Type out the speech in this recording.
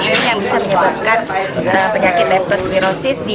nah tikus ini yang bisa menyebabkan penyakit leptospirosis